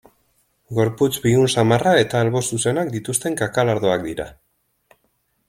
Gorputz bigun samarra eta albo zuzenak dituzten kakalardoak dira.